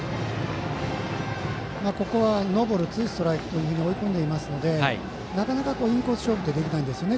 ここはノーボールツーストライクと追い込んでいますのでなかなかインコース勝負はできないんですよね。